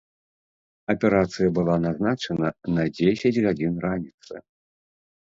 Аперацыя была назначана на дзесяць гадзін раніцы.